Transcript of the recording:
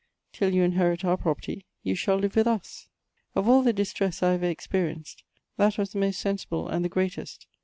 Tdl you inherit our property, you shall Hve with us." * Of all the distress I ever experienced, that was the most sensible and the greatest.